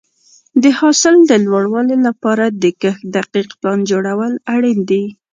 د حاصل د لوړوالي لپاره د کښت دقیق پلان جوړول اړین دي.